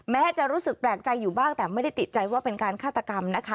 แม้จะรู้สึกแปลกใจอยู่บ้างแต่ไม่ได้ติดใจว่าเป็นการฆาตกรรมนะคะ